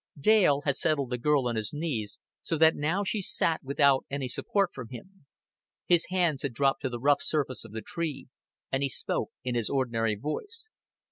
Dale had settled the girl on his knees so that she sat now without any support from him. His hands had dropped to the rough surface of the tree; and he spoke in his ordinary voice.